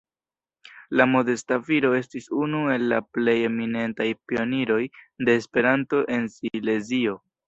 La modesta viro estis unu el la plej eminentaj pioniroj de Esperanto en Silezio.